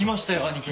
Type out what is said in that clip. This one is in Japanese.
兄貴